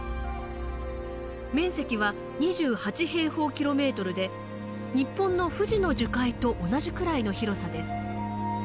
面積は２８で日本の富士の樹海と同じくらいの広さです。